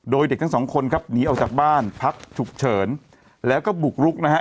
โดยเด็กทั้งสองคนครับหนีออกจากบ้านพักฉุกเฉินแล้วก็บุกรุกนะฮะ